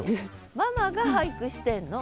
ママが俳句してんの？